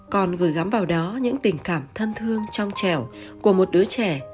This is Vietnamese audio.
con gửi gắm vào đó những tình cảm thân thương trong trẻo của một đứa trẻ